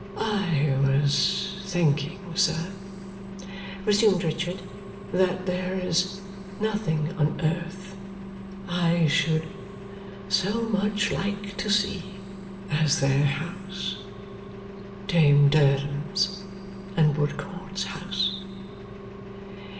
"I was thinking, sir," resumed Richard, "that there is nothing on earth I should so much like to see as their house Dame Durden's and Woodcourt's house.